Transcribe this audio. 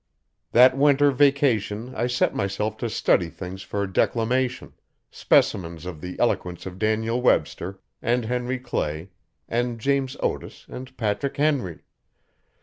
That winter vacation I set myself to study things for declamation specimens of the eloquence of Daniel Webster and Henry Clay and James Otis and Patrick Henry.